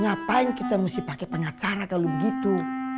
ngapain kita mesti pakai pengacara kalau begitu